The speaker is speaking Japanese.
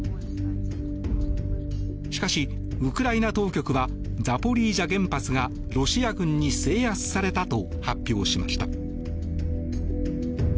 しかし、ウクライナ当局はザポリージャ原発がロシア軍に制圧されたと発表しました。